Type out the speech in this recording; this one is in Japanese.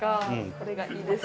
これがいいです。